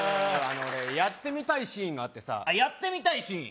俺やってみたいシーンがあってさやってみたいシーン？